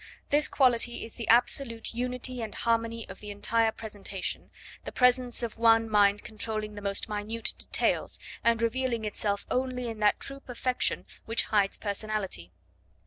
This quality is the absolute unity and harmony of the entire presentation, the presence of one mind controlling the most minute details, and revealing itself only in that true perfection which hides personality.